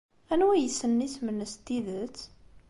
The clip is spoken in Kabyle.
Anwa ay yessnen isem-nnes n tidet?